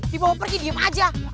dibawa pergi diem aja